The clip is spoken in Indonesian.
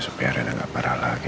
supaya rina gak parah lagi